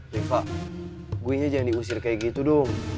riva gue ingin aja yang diusir kayak gitu dong